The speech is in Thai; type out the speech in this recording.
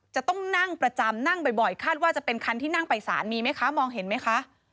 จะต้องนั่งประจำนั่งบ่อยคาดว่าจะเป็นคันที่นั่งไปสารมีไหมคะมองเห็นไหมคะ